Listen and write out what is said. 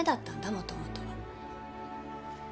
もともとは。